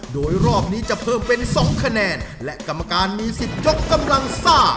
โดยรอบนี้จะเพิ่มเป็น๒คะแนนและกรรมการมีสิทธิ์ยกกำลังซ่า